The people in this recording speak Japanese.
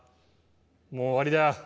もう終わりだ。